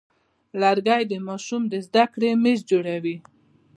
لرګی د ماشوم د زده کړې میز جوړوي.